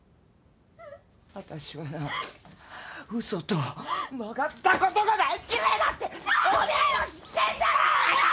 あたしはな嘘と曲がったことが大っ嫌いだっておめえも知ってんだろうがよ！